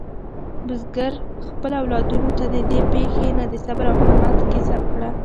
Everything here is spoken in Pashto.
بزګر خپلو اولادونو ته د دې پېښې نه د صبر او همت کیسه وکړه.